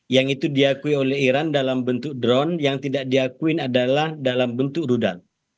yang itu diakui oleh iran dalam bentuk drone yang tidak diakuin adalah dalam bentuk rudal